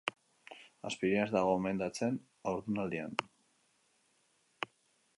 Aspirina ez da gomendatzen haurdunaldian.